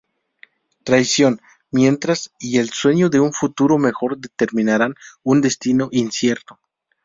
Traición, mentiras y el sueño de un futuro mejor determinarán un destino incierto.